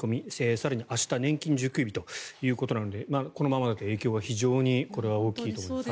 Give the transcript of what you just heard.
更に明日年金受給日ということなのでこのままだと影響が非常に大きいと。